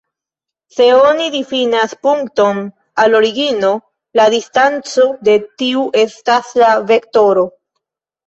Se oni difinas punkton al origino, la distanco de tiu estas la vektoro.